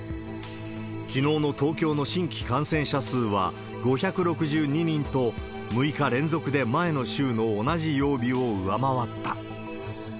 きのうの東京の新規感染者数は５６２人と、６日連続で前の週の同じ曜日を上回った。